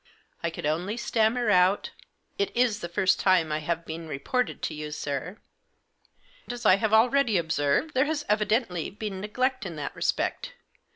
I could only stammer out :(< It is the first time I have been reported to you, sir." " As I have already observed, there has evidently been neglect in that respect.